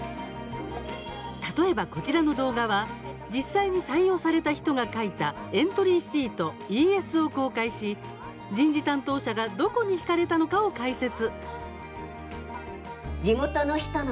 例えば、こちらの動画は実際に採用された人が書いたエントリーシート・ＥＳを公開し人事担当者がどこに引かれたのかを解説。